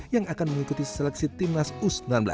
yang akan mengikuti seleksi timnas u sembilan belas